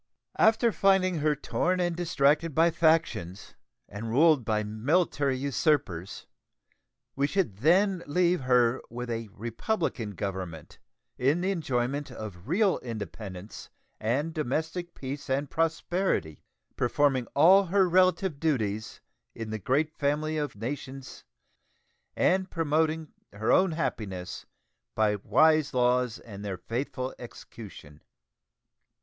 After finding her torn and distracted by factions, and ruled by military usurpers, we should then leave her with a republican government in the enjoyment of real independence and domestic peace and prosperity, performing all her relative duties in the great family of nations and promoting her own happiness by wise laws and their faithful execution.